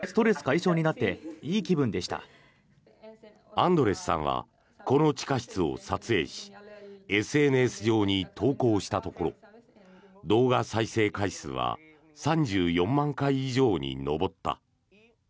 アンドレスさんはこの地下室を撮影しＳＮＳ上に投稿したところ動画再生回数は３４万回以上に上った。